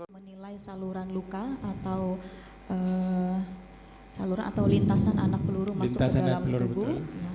menilai saluran luka atau lintasan anak peluru masuk ke dalam tubuh